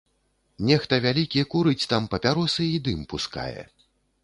Нехта вялікі курыць там папяросы і дым пускае.